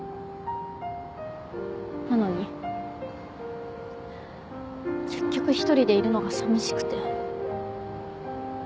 なのに結局１人でいるのが寂しくて。